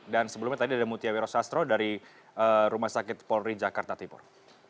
dan sebelumnya tadi ada mutia wiro sastro dari rumah sakit polri jakarta timur